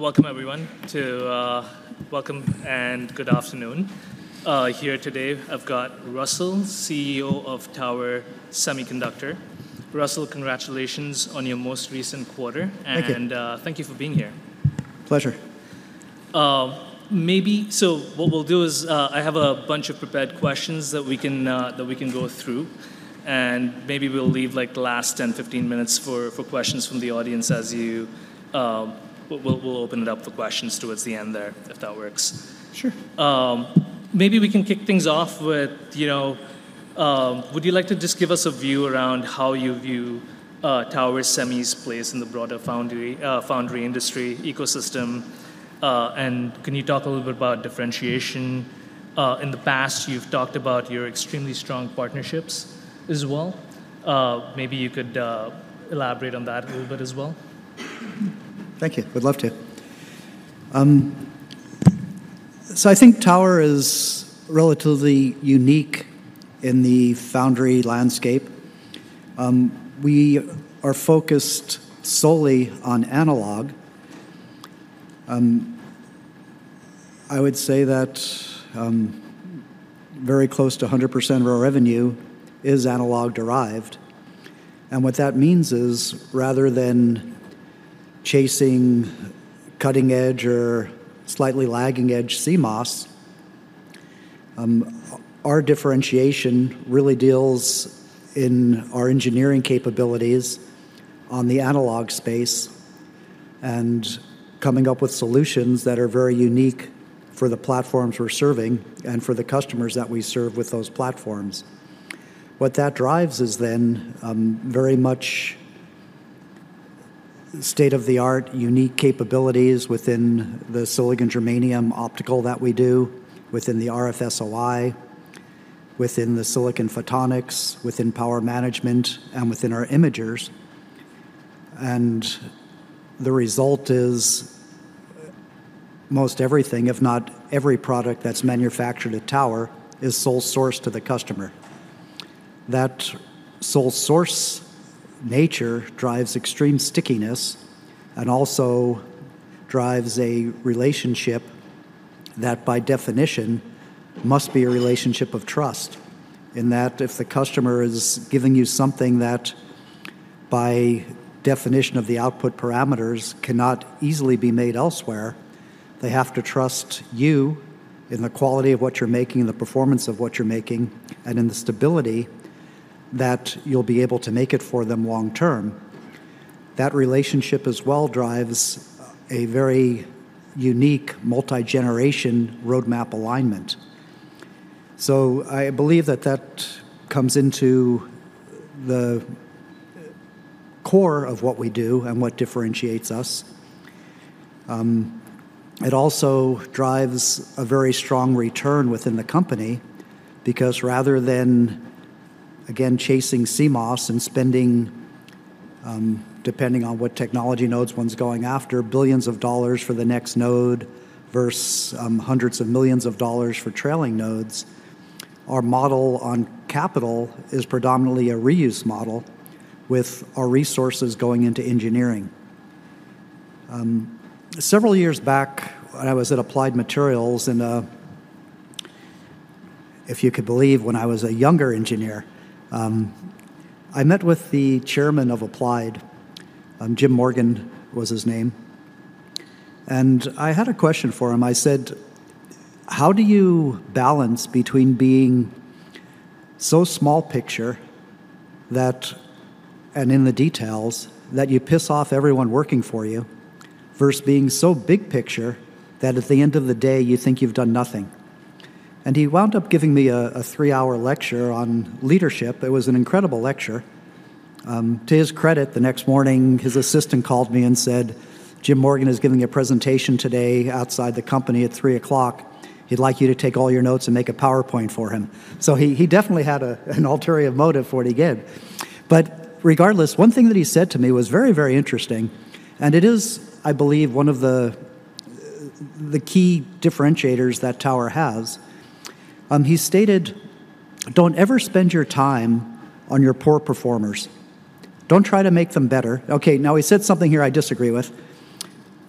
Welcome everyone to welcome and good afternoon. Here today I've got Russell, CEO of Tower Semiconductor. Russell, congratulations on your most recent quarter- Thank you. And, thank you for being here. Pleasure. Maybe, so what we'll do is, I have a bunch of prepared questions that we can go through, and maybe we'll leave, like, the last 10, 15 minutes for questions from the audience as you... We'll open it up for questions towards the end there, if that works. Sure. Maybe we can kick things off with, you know, would you like to just give us a view around how you view Tower Semi's place in the broader foundry industry ecosystem? And can you talk a little bit about differentiation? Maybe you could elaborate on that a little bit as well. Thank you. Would love to. So I think Tower is relatively unique in the foundry landscape. We are focused solely on analog. I would say that, very close to 100% of our revenue is analog-derived. And what that means is, rather than chasing cutting-edge or slightly lagging-edge CMOS, our differentiation really deals in our engineering capabilities on the analog space, and coming up with solutions that are very unique for the platforms we're serving and for the customers that we serve with those platforms. What that drives is then, very much state-of-the-art unique capabilities within the silicon germanium optical that we do, within the RF SOI, within the silicon photonics, within power management, and within our imagers. And the result is, most everything, if not every product that's manufactured at Tower, is sole source to the customer. That sole source nature drives extreme stickiness and also drives a relationship that, by definition, must be a relationship of trust, in that if the customer is giving you something that, by definition of the output parameters, cannot easily be made elsewhere, they have to trust you in the quality of what you're making, and the performance of what you're making, and in the stability that you'll be able to make it for them long term. That relationship as well drives a very unique multi-generation roadmap alignment. So I believe that that comes into the core of what we do and what differentiates us. It also drives a very strong return within the company because rather than, again, chasing CMOS and spending, depending on what technology nodes one's going after, billions of dollars for the next node versus, hundreds of millions of dollars for trailing nodes, our model on capital is predominantly a reuse model, with our resources going into engineering. Several years back, when I was at Applied Materials, and, if you could believe, when I was a younger engineer, I met with the chairman of Applied, Jim Morgan was his name, and I had a question for him. I said: "How do you balance between being so small picture that, and in the details, that you piss off everyone working for you, versus being so big picture that at the end of the day, you think you've done nothing?" And he wound up giving me a three-hour lecture on leadership. It was an incredible lecture. To his credit, the next morning, his assistant called me and said, "Jim Morgan is giving a presentation today outside the company at 3:00 o'clock. He'd like you to take all your notes and make a PowerPoint for him." So he definitely had an ulterior motive for what he gave. But regardless, one thing that he said to me was very, very interesting, and it is, I believe, one of the key differentiators that Tower has. He stated, "Don't ever spend your time on your poor performers. Don't try to make them better." Okay, now, he said something here I disagree with.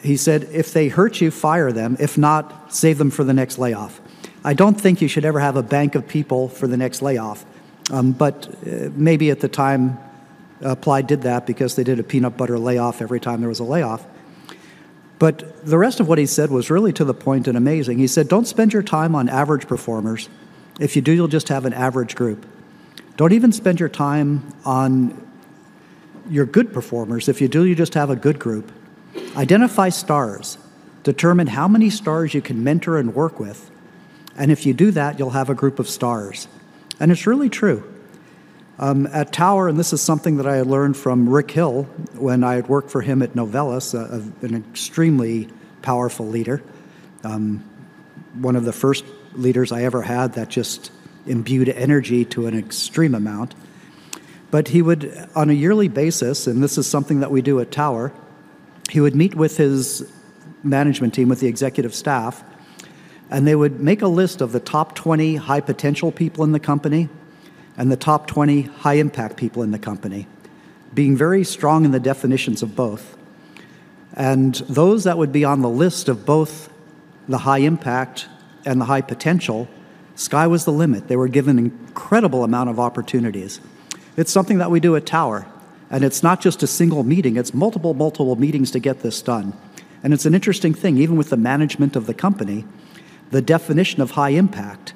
He said, "If they hurt you, fire them. If not, save them for the next layoff." I don't think you should ever have a bank of people for the next layoff. But maybe at the time, Applied did that because they did a peanut butter layoff every time there was a layoff. But the rest of what he said was really to the point and amazing. He said, "Don't spend your time on average performers. If you do, you'll just have an average group. Don't even spend your time on your good performers. If you do, you just have a good group. Identify stars. Determine how many stars you can mentor and work with, and if you do that, you'll have a group of stars." And it's really true. At Tower, and this is something that I had learned from Rick Hill when I had worked for him at Novellus, an extremely powerful leader, one of the first leaders I ever had that just imbued energy to an extreme amount. But he would, on a yearly basis, and this is something that we do at Tower, he would meet with his management team, with the executive staff and they would make a list of the top 20 high-potential people in the company and the top 20 high-impact people in the company, being very strong in the definitions of both. And those that would be on the list of both the high impact and the high potential, sky was the limit. They were given an incredible amount of opportunities. It's something that we do at Tower, and it's not just a single meeting, it's multiple, multiple meetings to get this done. And it's an interesting thing, even with the management of the company, the definition of high impact,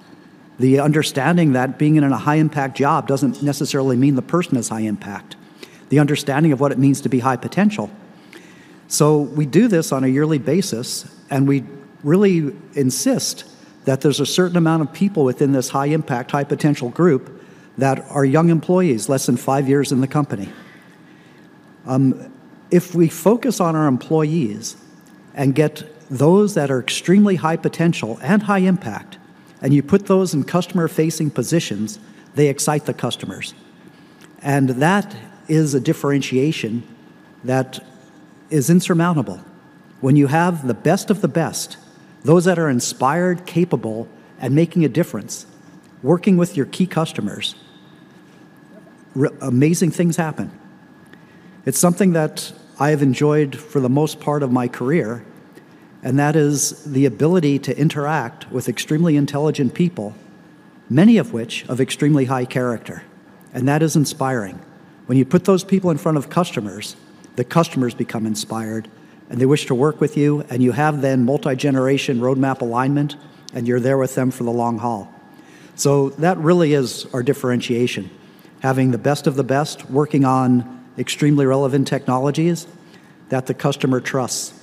the understanding that being in a high-impact job doesn't necessarily mean the person is high impact, the understanding of what it means to be high potential. So we do this on a yearly basis, and we really insist that there's a certain amount of people within this high-impact, high-potential group that are young employees, less than five years in the company. If we focus on our employees and get those that are extremely high potential and high impact, and you put those in customer-facing positions, they excite the customers. And that is a differentiation that is insurmountable. When you have the best of the best, those that are inspired, capable, and making a difference, working with your key customers, amazing things happen. It's something that I have enjoyed for the most part of my career, and that is the ability to interact with extremely intelligent people, many of which of extremely high character, and that is inspiring. When you put those people in front of customers, the customers become inspired, and they wish to work with you, and you have then multi-generation roadmap alignment, and you're there with them for the long haul. So that really is our differentiation, having the best of the best, working on extremely relevant technologies that the customer trusts,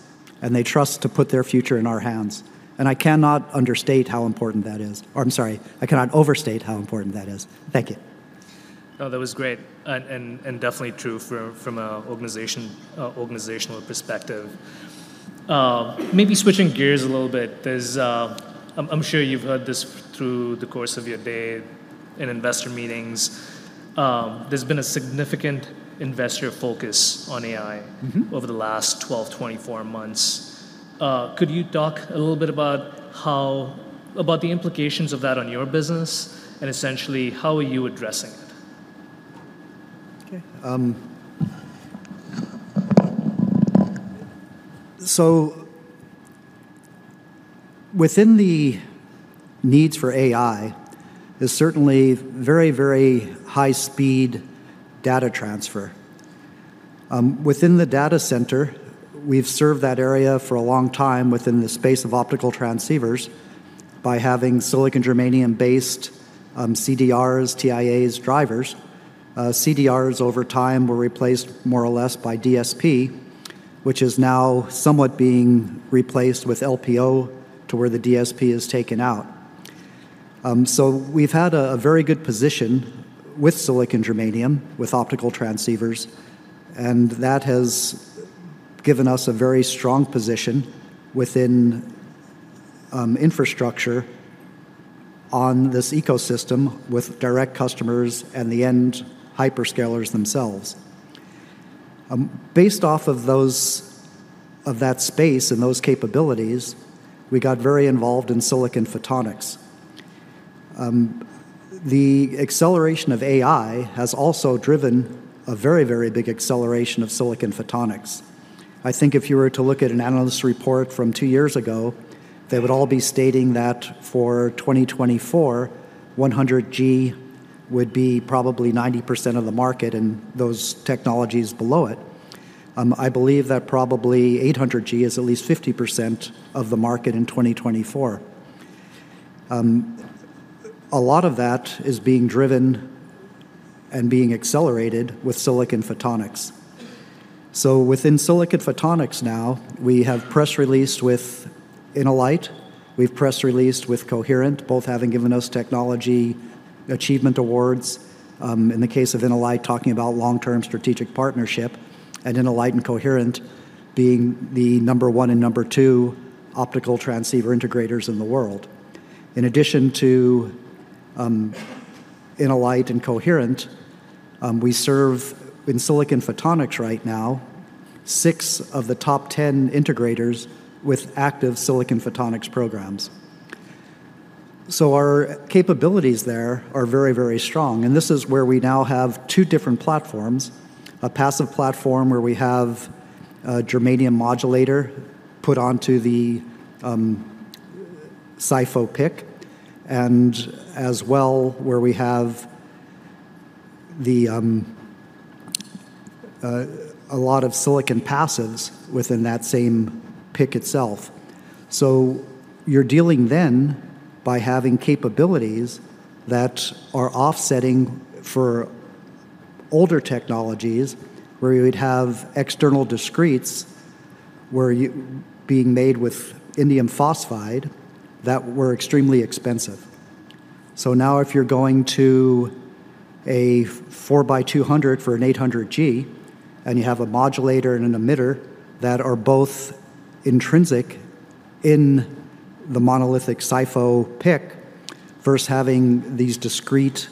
and they trust to put their future in our hands. And I cannot understate how important that is. Or I'm sorry, I cannot overstate how important that is. Thank you. No, that was great and definitely true from an organizational perspective. Maybe switching gears a little bit. I'm sure you've heard this through the course of your day in investor meetings. There's been a significant investor focus on AI over the last 12-24 months. Could you talk a little bit about how, about the implications of that on your business, and essentially, how are you addressing it? Okay, so within the needs for AI, there's certainly very, very high-speed data transfer. Within the data center, we've served that area for a long time within the space of optical transceivers by having silicon germanium-based CDRs, TIAs, drivers. CDRs, over time, were replaced more or less by DSP, which is now somewhat being replaced with LPO to where the DSP is taken out. So we've had a very good position with silicon germanium, with optical transceivers, and that has given us a very strong position within infrastructure on this ecosystem with direct customers and the end hyperscalers themselves. Based off of those, of that space and those capabilities, we got very involved in silicon photonics. The acceleration of AI has also driven a very, very big acceleration of silicon photonics. I think if you were to look at an analyst report from two years ago, they would all be stating that for 2024, 100G would be probably 90% of the market and those technologies below it. I believe that probably 800G is at least 50% of the market in 2024. A lot of that is being driven and being accelerated with silicon photonics. So within silicon photonics now, we have press released with InnoLight, we've press released with Coherent, both having given us technology achievement awards. In the case of InnoLight, talking about long-term strategic partnership, and InnoLight and Coherent being the number one and number two optical transceiver integrators in the world. In addition to InnoLight and Coherent, we serve in silicon photonics right now, six of the top 10 integrators with active silicon photonics programs. So our capabilities there are very, very strong, and this is where we now have two different platforms: a passive platform, where we have a germanium modulator put onto the SiPho PIC, and as well, where we have a lot of silicon passives within that same PIC itself. So you're dealing then by having capabilities that are offsetting for older technologies, where you would have external discretes being made with indium phosphide that were extremely expensive. So now, if you're going to a four by 200 for an 800 G, and you have a modulator and an emitter that are both intrinsic in the monolithic SiPho PIC versus having these discrete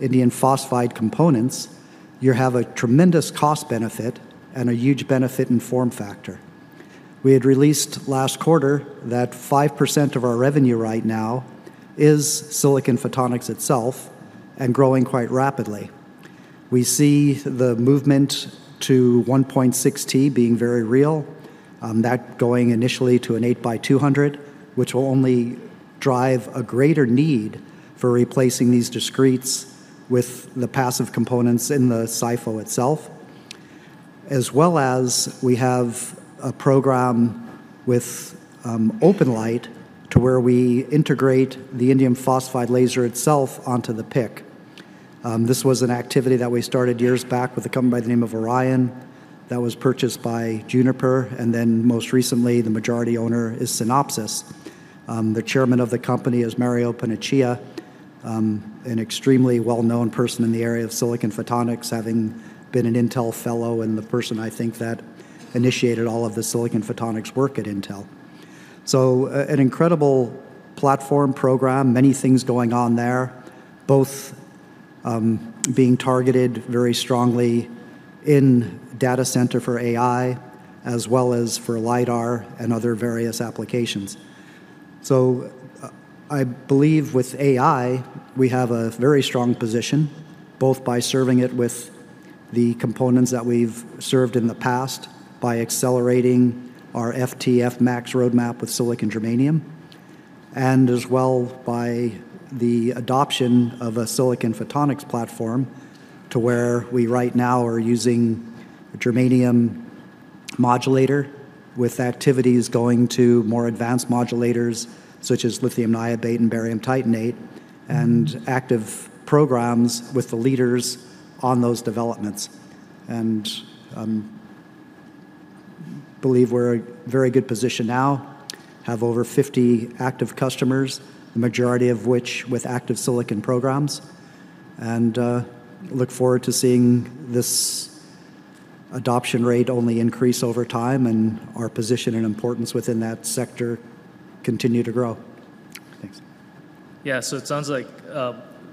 indium phosphide components, you have a tremendous cost benefit and a huge benefit in form factor. We had released last quarter that 5% of our revenue right now is silicon photonics itself, and growing quite rapidly. We see the movement to 1.6T being very real, that going initially to an eight by 200, which will only drive a greater need for replacing these discretes with the passive components in the SiPho itself. As well as we have a program with OpenLight, to where we integrate the indium phosphide laser itself onto the PIC. This was an activity that we started years back with a company by the name of Aurrion, that was purchased by Juniper, and then most recently, the majority owner is Synopsys. The chairman of the company is Mario Paniccia, an extremely well-known person in the area of silicon photonics, having been an Intel fellow, and the person I think that initiated all of the silicon photonics work at Intel. So, an incredible platform program, many things going on there, both being targeted very strongly in data center for AI, as well as for LiDAR and other various applications. So, I believe with AI, we have a very strong position, both by serving it with the components that we've served in the past, by accelerating our Ft/Fmax roadmap with silicon germanium, and as well by the adoption of a silicon photonics platform. To where we right now are using a germanium modulator with activities going to more advanced modulators, such as lithium niobate and barium titanate, and active programs with the leaders on those developments. Believe we're in a very good position now, have over 50 active customers, the majority of which with active silicon programs, and look forward to seeing this adoption rate only increase over time and our position and importance within that sector continue to grow. Thanks. Yeah, so it sounds like,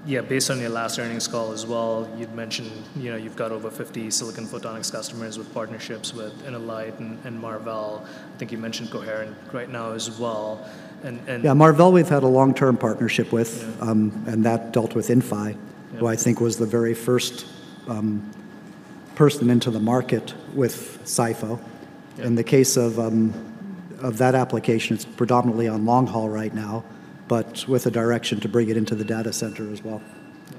yeah, based on your last earnings call as well, you'd mentioned, you know, you've got over 50 silicon photonics customers with partnerships with InnoLight and, and Marvell. I think you mentioned Coherent right now as well. And, and- Yeah, Marvell, we've had a long-term partnership with- Yeah... and that dealt with Inphi- Yeah... who I think was the very first, person into the market with SiPho. Yeah. In the case of, of that application, it's predominantly on long haul right now, but with a direction to bring it into the data center as well. Yeah.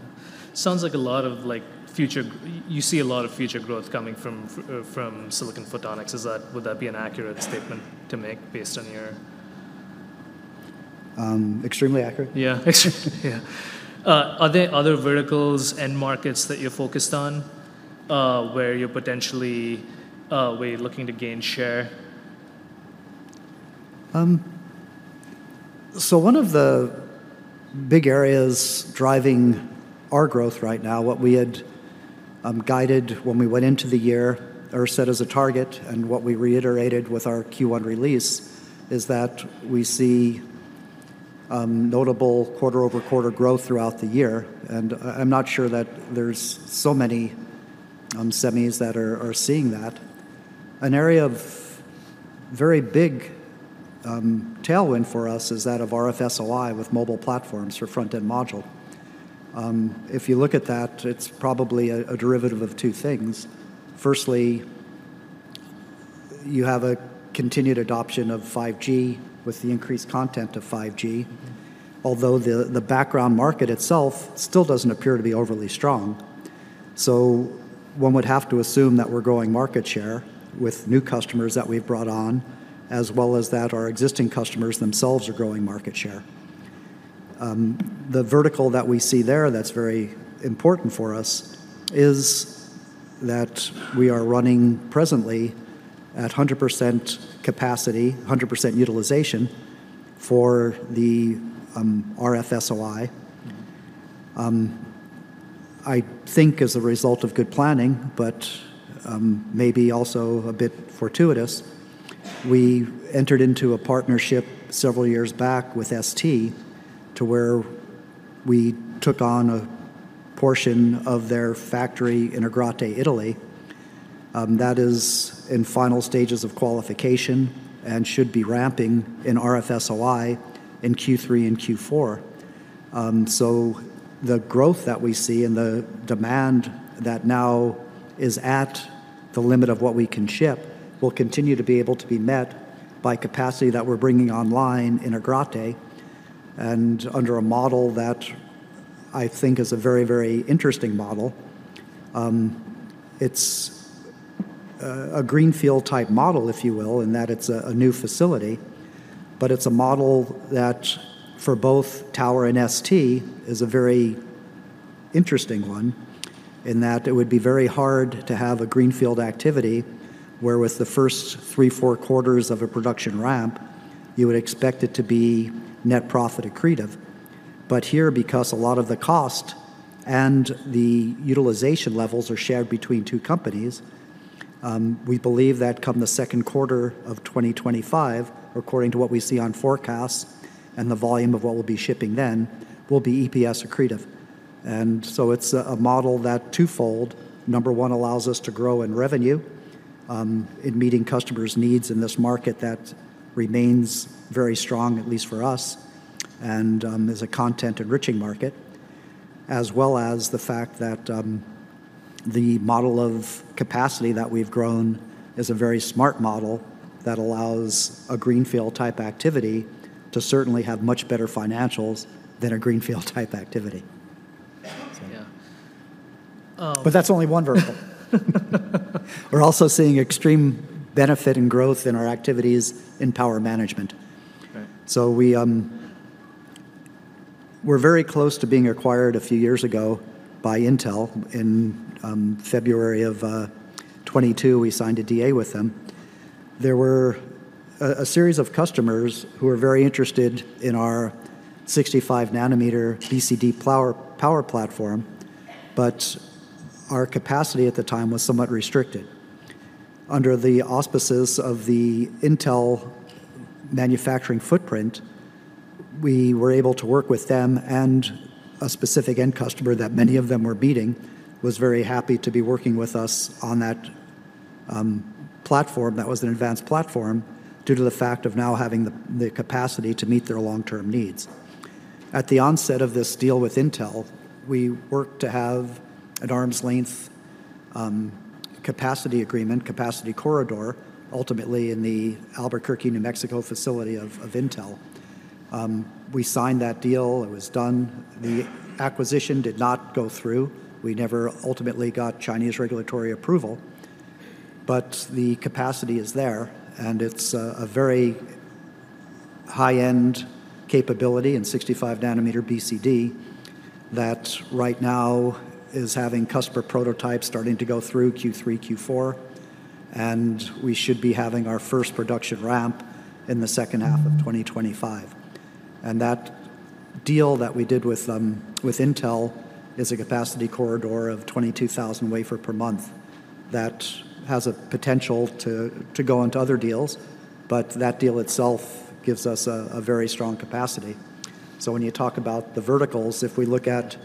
Sounds like a lot of, like, future growth coming from silicon photonics. Is that, would that be an accurate statement to make based on your.? Extremely accurate. Yeah. Extreme, yeah. Are there other verticals and markets that you're focused on, where you're potentially, where you're looking to gain share? So one of the big areas driving our growth right now, what we had guided when we went into the year or set as a target, and what we reiterated with our Q1 release, is that we see notable quarter-over-quarter growth throughout the year. I'm not sure that there's so many semis that are seeing that. An area of very big tailwind for us is that of RF-SOI with mobile platforms for front-end module. If you look at that, it's probably a derivative of two things. Firstly, you have a continued adoption of 5G with the increased content of 5G, although the background market itself still doesn't appear to be overly strong. So one would have to assume that we're growing market share with new customers that we've brought on, as well as that our existing customers themselves are growing market share. The vertical that we see there that's very important for us is that we are running presently at 100% capacity, 100% utilization for the RF SOI. I think as a result of good planning, but maybe also a bit fortuitous, we entered into a partnership several years back with ST, to where we took on a portion of their factory in Agrate, Italy. That is in final stages of qualification and should be ramping in RF SOI in Q3 and Q4. So the growth that we see and the demand that now is at the limit of what we can ship, will continue to be able to be met by capacity that we're bringing online in Agrate, and under a model that I think is a very, very interesting model. It's a greenfield-type model, if you will, in that it's a new facility, but it's a model that for both Tower and ST is a very interesting one, in that it would be very hard to have a greenfield activity, where with the first three, four quarters of a production ramp, you would expect it to be net profit accretive. But here, because a lot of the cost and the utilization levels are shared between two companies, we believe that come the second quarter of 2025, according to what we see on forecasts and the volume of what we'll be shipping then, will be EPS accretive. And so it's a model that twofold: number one, allows us to grow in revenue, in meeting customers' needs in this market that remains very strong, at least for us, and, is a content-enriching market, as well as the fact that, the model of capacity that we've grown is a very smart model that allows a greenfield-type activity to certainly have much better financials than a greenfield-type activity. Yeah. But that's only one vertical. We're also seeing extreme benefit and growth in our activities in power management. Right. So we were very close to being acquired a few years ago by Intel. In February of 2022, we signed a DA with them. There were a series of customers who were very interested in our 65-nanometer BCD power platform, but our capacity at the time was somewhat restricted. Under the auspices of the Intel manufacturing footprint, we were able to work with them, and a specific end customer that many of them were beating was very happy to be working with us on that platform, that was an advanced platform, due to the fact of now having the capacity to meet their long-term needs. At the onset of this deal with Intel, we worked to have an arm's length capacity agreement, capacity corridor, ultimately in the Albuquerque, New Mexico, facility of Intel. We signed that deal. It was done. The acquisition did not go through. We never ultimately got Chinese regulatory approval, but the capacity is there, and it's a very high-end capability in 65 nanometer BCD that right now is having customer prototypes starting to go through Q3, Q4, and we should be having our first production ramp in the second half of 2025. And that deal that we did with Intel is a capacity corridor of 22,000 wafer per month. That has a potential to go into other deals, but that deal itself gives us a very strong capacity. So when you talk about the verticals, if we look at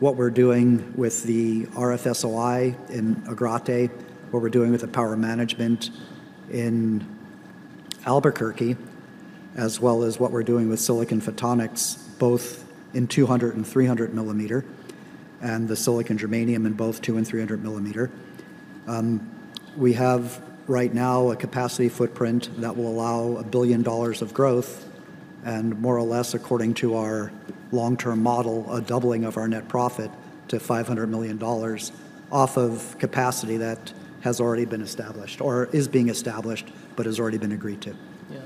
what we're doing with the RFSOI in Agrate, what we're doing with the power management in Albuquerque, as well as what we're doing with silicon photonics, both in 200- and 300-millimeter, and the silicon germanium in both 200- and 300-millimeter, we have right now a capacity footprint that will allow $1 billion of growth, and more or less, according to our long-term model, a doubling of our net profit to $500 million off of capacity that has already been established or is being established but has already been agreed to. Yeah.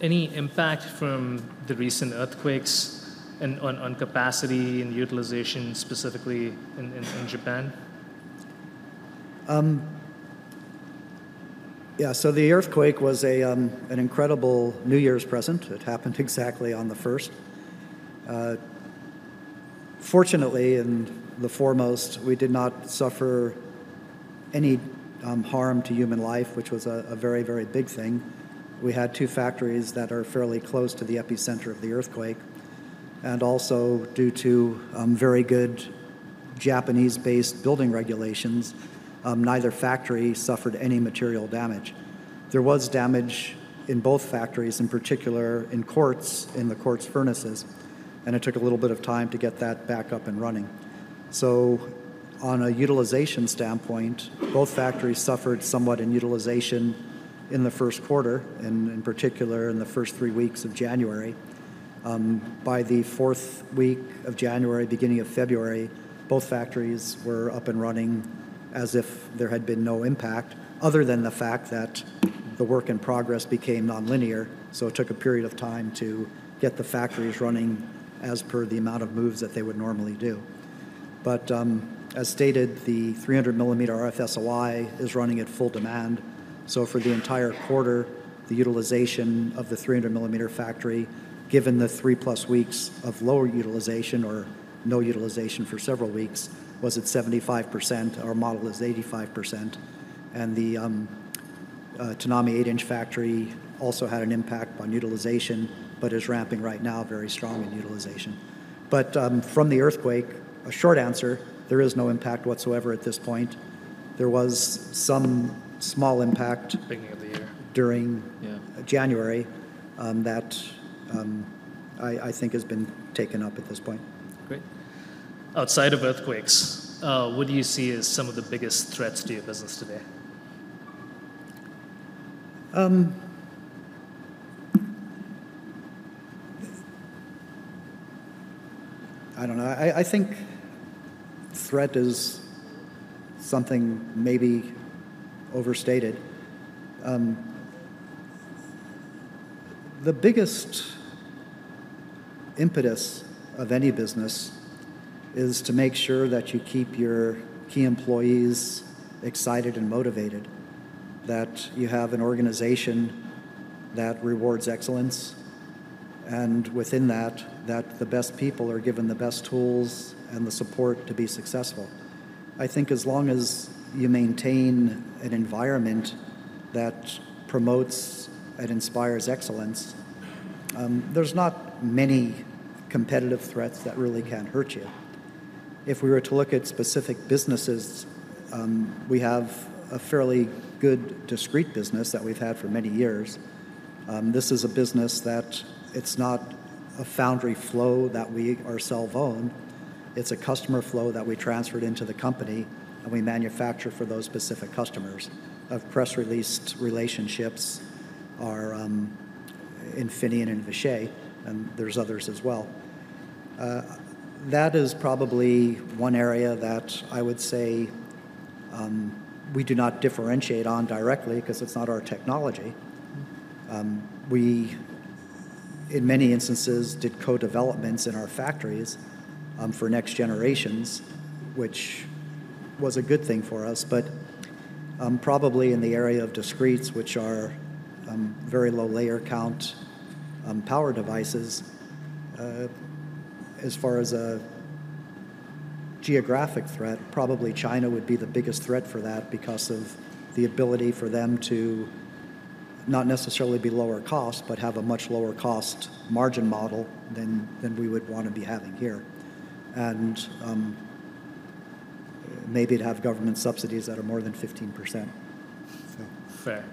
Any impact from the recent earthquakes on capacity and utilization, specifically in Japan? Yeah. So the earthquake was an incredible New Year's present. It happened exactly on the first. Fortunately, and the foremost, we did not suffer any harm to human life, which was a very, very big thing. We had two factories that are fairly close to the epicenter of the earthquake, and also, due to very good Japanese-based building regulations, neither factory suffered any material damage. There was damage in both factories, in particular in quartz, in the quartz furnaces, and it took a little bit of time to get that back up and running. So on a utilization standpoint, both factories suffered somewhat in utilization in the first quarter, and in particular, in the first three weeks of January. By the fourth week of January, beginning of February, both factories were up and running as if there had been no impact, other than the fact that the work in progress became nonlinear, so it took a period of time to get the factories running as per the amount of moves that they would normally do. As stated, the 300-millimeter RF-SOI is running at full demand, so for the entire quarter, the utilization of the 300-millimeter factory, given the 3+ weeks of lower utilization or no utilization for several weeks, was at 75%. Our model is 85%. The Tonami 8-inch factory also had an impact on utilization but is ramping right now very strong in utilization. From the earthquake, a short answer, there is no impact whatsoever at this point. There was some small impact- Beginning of the year.... during- Yeah... January that I think has been taken up at this point. Great. Outside of earthquakes, what do you see as some of the biggest threats to your business today? I don't know. I think threat is something maybe overstated. The biggest impetus of any business is to make sure that you keep your key employees excited and motivated, that you have an organization that rewards excellence... and within that, that the best people are given the best tools and the support to be successful. I think as long as you maintain an environment that promotes and inspires excellence, there's not many competitive threats that really can hurt you. If we were to look at specific businesses, we have a fairly good discrete business that we've had for many years. This is a business that it's not a foundry flow that we ourselves own. It's a customer flow that we transferred into the company, and we manufacture for those specific customers. Our press-released relationships are, Infineon and Vishay, and there's others as well. That is probably one area that I would say, we do not differentiate on directly 'cause it's not our technology. We, in many instances, did co-developments in our factories, for next generations, which was a good thing for us. But, probably in the area of discretes, which are, very low layer count, power devices, as far as a geographic threat, probably China would be the biggest threat for that because of the ability for them to not necessarily be lower cost, but have a much lower cost margin model than we would want to be having here, and, maybe to have government subsidies that are more than 15%. Fair.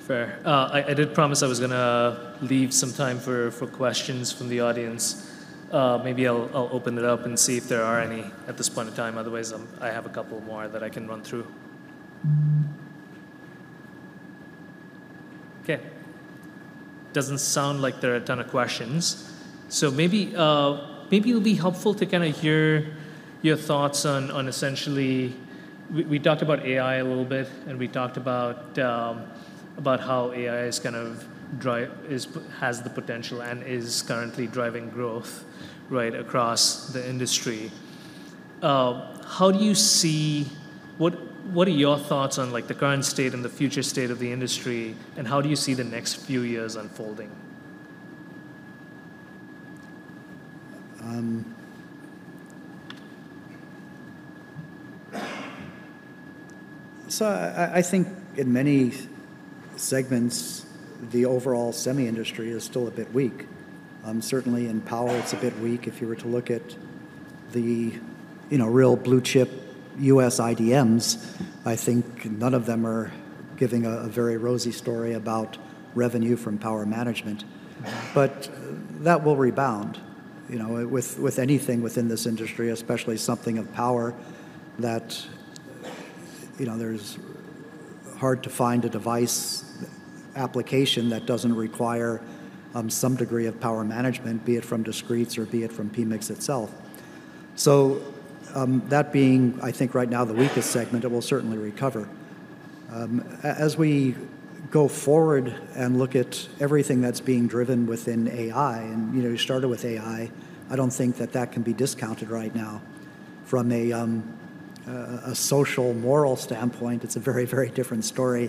Fair. I did promise I was gonna leave some time for questions from the audience. Maybe I'll open it up and see if there are any at this point in time. Otherwise, I have a couple more that I can run through. Okay. Doesn't sound like there are a ton of questions. So maybe it'll be helpful to kinda hear your thoughts on essentially... We talked about AI a little bit, and we talked about how AI is kind of has the potential and is currently driving growth, right, across the industry. How do you see-- What are your thoughts on, like, the current state and the future state of the industry, and how do you see the next few years unfolding? So I think in many segments, the overall semi industry is still a bit weak. Certainly in power, it's a bit weak. If you were to look at the, you know, real blue-chip U.S. IDMs, I think none of them are giving a very rosy story about revenue from power management. But that will rebound, you know, with anything within this industry, especially something of power that, you know, there's hard to find a device application that doesn't require some degree of power management, be it from discretes or be it from PMICs itself. So that being, I think right now, the weakest segment, it will certainly recover. As we go forward and look at everything that's being driven within AI, and, you know, you started with AI, I don't think that that can be discounted right now. From a social moral standpoint, it's a very, very different story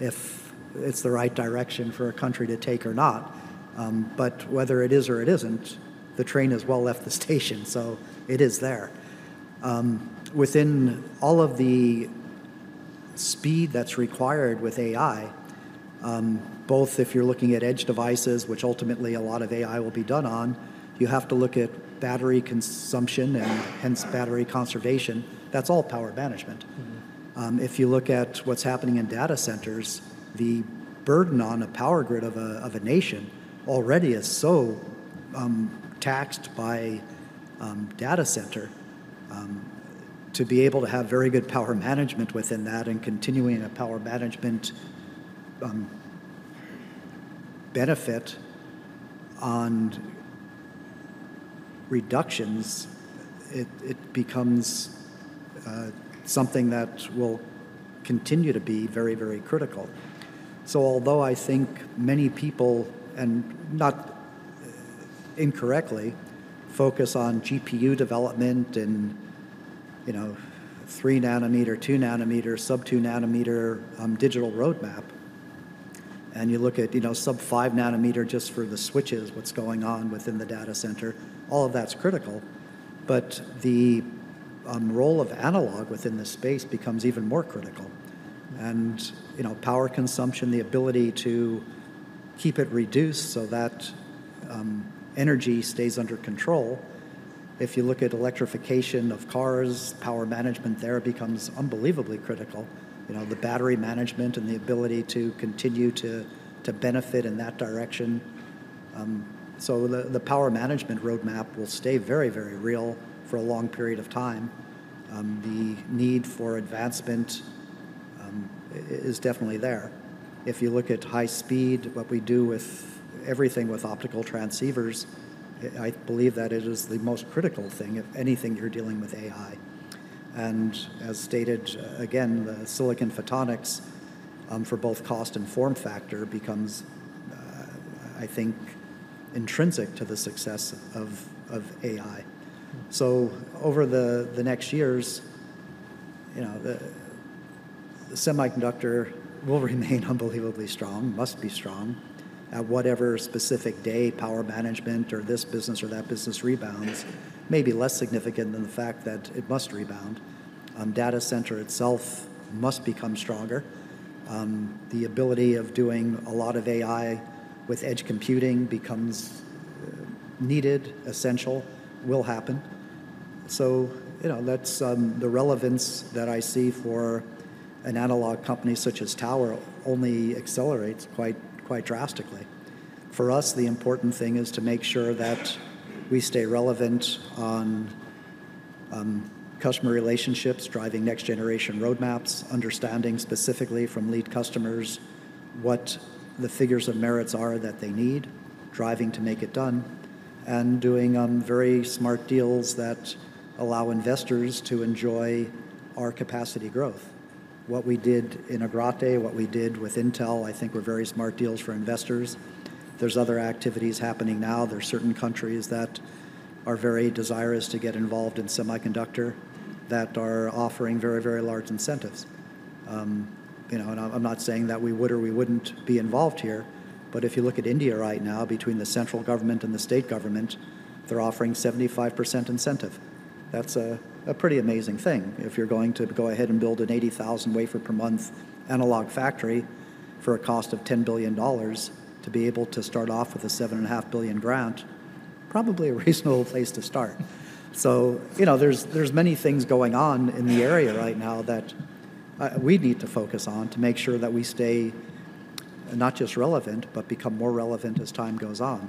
if it's the right direction for a country to take or not. But whether it is or it isn't, the train has well left the station, so it is there. Within all of the speed that's required with AI, both if you're looking at edge devices, which ultimately a lot of AI will be done on, you have to look at battery consumption and hence battery conservation. That's all power management. If you look at what's happening in data centers, the burden on a power grid of a nation already is so taxed by data center to be able to have very good power management within that and continuing a power management benefit on reductions, it becomes something that will continue to be very, very critical. So although I think many people, and not incorrectly, focus on GPU development and, you know, 3 nanometer, 2 nanometer, sub-2 nanometer digital roadmap, and you look at, you know, sub-5 nanometer just for the switches, what's going on within the data center, all of that's critical. But the role of analog within the space becomes even more critical. And, you know, power consumption, the ability to keep it reduced so that energy stays under control. If you look at electrification of cars, power management there becomes unbelievably critical. You know, the battery management and the ability to continue to benefit in that direction. So the power management roadmap will stay very, very real for a long period of time. The need for advancement is definitely there. If you look at high speed, what we do with everything with optical transceivers, I believe that it is the most critical thing, if anything, you're dealing with AI. And as stated, again, the silicon photonics for both cost and form factor becomes I think intrinsic to the success of AI. So over the next years, you know, semiconductor will remain unbelievably strong, must be strong. At whatever specific day, power management or this business or that business rebounds, may be less significant than the fact that it must rebound. Data center itself must become stronger. The ability of doing a lot of AI with edge computing becomes needed, essential, will happen. So, you know, that's the relevance that I see for an analog company such as Tower only accelerates quite, quite drastically. For us, the important thing is to make sure that we stay relevant on customer relationships, driving next generation roadmaps, understanding specifically from lead customers what the figures of merits are that they need, driving to make it done, and doing very smart deals that allow investors to enjoy our capacity growth. What we did in Agrate, what we did with Intel, I think were very smart deals for investors. There's other activities happening now. There are certain countries that are very desirous to get involved in semiconductor, that are offering very, very large incentives. You know, and I'm, I'm not saying that we would or we wouldn't be involved here, but if you look at India right now, between the central government and the state government, they're offering 75% incentive. That's a, a pretty amazing thing. If you're going to go ahead and build an 80,000 wafer per month analog factory for a cost of $10 billion, to be able to start off with a $7.5 billion grant, probably a reasonable place to start. So, you know, there's, there's many things going on in the area right now that, we need to focus on to make sure that we stay not just relevant, but become more relevant as time goes on.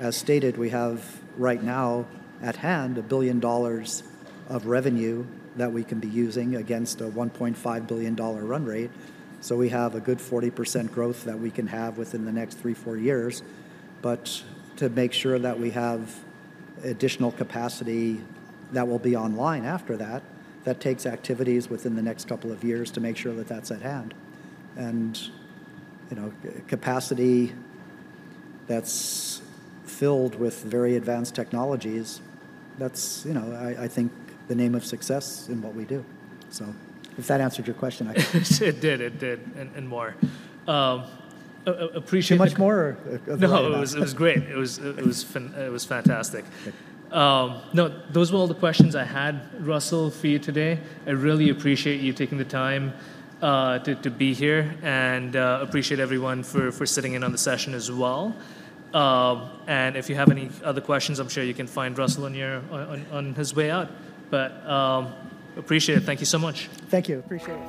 As stated, we have right now at hand, $1 billion of revenue that we can be using against a $1.5 billion run rate. So we have a good 40% growth that we can have within the next three to four years. But to make sure that we have additional capacity that will be online after that, that takes activities within the next couple of years to make sure that that's at hand. And, you know, capacity that's filled with very advanced technologies, that's, you know, I, I think, the name of success in what we do. So if that answered your question, I- It did. It did, and, and more. Appreciate- Too much more or? No, it was great. It was fantastic. No, those were all the questions I had, Russell, for you today. I really appreciate you taking the time to be here, and appreciate everyone for sitting in on the session as well. And if you have any other questions, I'm sure you can find Russell on his way out. But appreciate it. Thank you so much. Thank you. Appreciate it.